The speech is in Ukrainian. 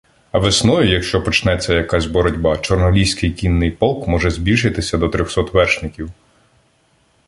А весною, якщо почнеться якась боротьба, Чорноліський кінний полк може збільшитися до трьохсот вершників.